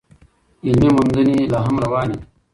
علمي موندنې لا هم روانې دي.